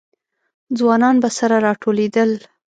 ځوانان به سره راټولېدل.